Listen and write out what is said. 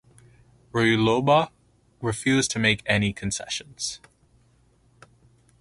Ruyloba refused to make any concessions.